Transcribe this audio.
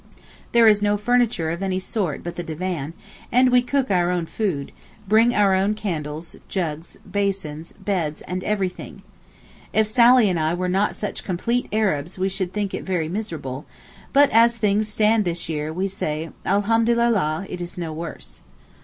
There is no furniture of any sort but the divan, and we cook our own food, bring our own candles, jugs, basins, beds and everything. If Sally and I were not such complete Arabs we should think it very miserable; but as things stand this year we say, Alhamdulillah it is no worse!